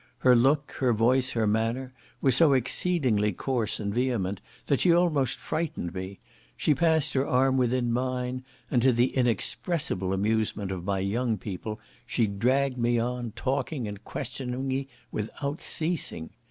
Her look, her voice, her manner, were so exceedingly coarse and vehement, that she almost frightened me; she passed her arm within mine, and to the inexpressible amusement of my young people, she dragged me on, talking and questioning me without ceasing.